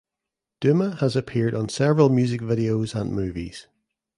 Duma has appeared on several music videos and movies.